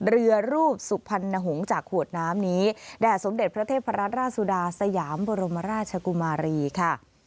เรือรูปสุพรรณหงษ์จากขวดน้ำนี้แด่สมเด็จพระเทพรัตนราชสุดาสยามบรมราชกุมารีค่ะ